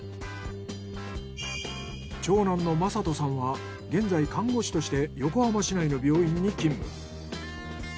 長男の正都さんは現在看護師として横浜市内の病院に勤務。